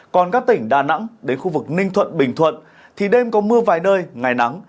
còn các tỉnh đà nẵng đến khu vực ninh thuận bình thuận thì đêm có mưa vài nơi ngày nắng